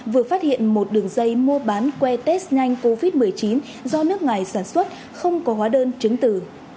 vừa phát hiện một đường dây mua bán que test nhanh covid một mươi chín do nước ngoài sản xuất không có hóa đơn chứng tử